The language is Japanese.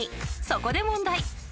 ［そこで問題］